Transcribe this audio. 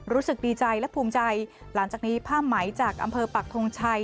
รู้สึกดีใจและภูมิใจหลังจากนี้ผ้าไหมจากอำเภอปักทงชัย